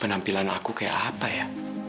penampilan aku kayak apa ya